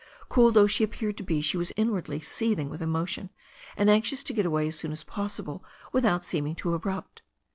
Cool though she appeared to be she was inwardly seething with emotion, and anxious to get away as soon as possible without seeming too abrupt.